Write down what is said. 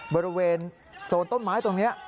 บริเวณโซนต้นไม้ตรงนี้